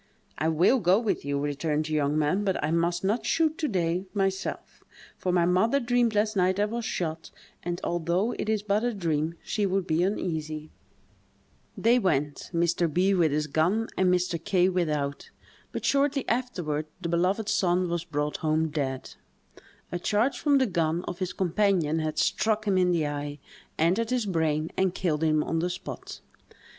"I will go with you," returned the young man, "but I must not shoot, to day, myself; for my mother dreamed last night I was shot; and, although it is but a dream, she would be uneasy." They went, Mr. B—— with his gun, and Mr. K—— without. But shortly afterward the beloved son was brought home dead: a charge from the gun of his companion had struck him in the eye, entered his brain, and killed him on the spot.